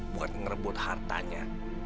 buat ngerebut hartanya